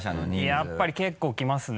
やっぱり結構来ますね。